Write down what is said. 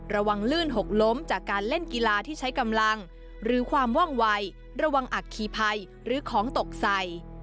ลื่นหกล้มจากการเล่นกีฬาที่ใช้กำลังหรือความว่องวัยระวังอัคคีภัยหรือของตกใส่